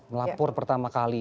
melapor pertama kali